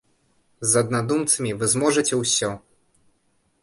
З аднадумцамі вы зможаце ўсё!